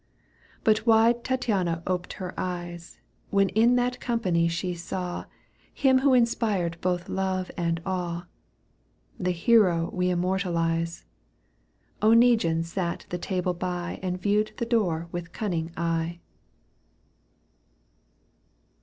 But wide Tattiana oped her eyes When in that company she saw Him who inspired both love and awe, The hero we immortalize. Oneguine sat the table by , And viewed the door with cunning eye.